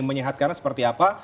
menyehatkan seperti apa